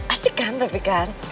asik kan tapi kan